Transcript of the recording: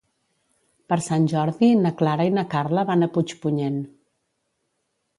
Per Sant Jordi na Clara i na Carla van a Puigpunyent.